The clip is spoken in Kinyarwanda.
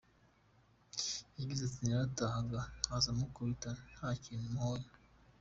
Yagize ati “Naratahaga nkaza mukubita nta kintu muhoye.